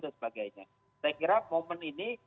dan sebagainya saya kira momen ini